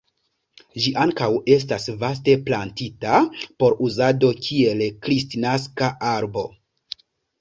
Ĝi ankaŭ estas vaste plantita por uzado kiel kristnaska arbo.